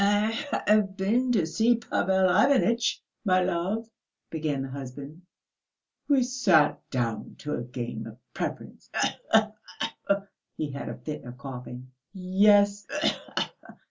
"I have been to see Pavel Ivanitch, my love," began the husband. "We sat down to a game of preference. Khee khee khee!" (he had a fit of coughing). "Yes